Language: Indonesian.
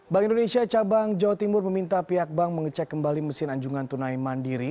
bank indonesia cabang jawa timur meminta pihak bank mengecek kembali mesin anjungan tunai mandiri